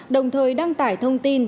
đồng thời đăng tải thông tin